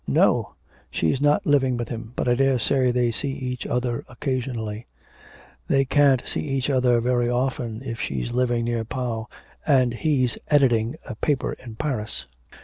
'No; she's not living with him; but I daresay they see each other occasionally.' 'They can't see each other very often if she's living near Pau, and he's editing a paper in Paris.'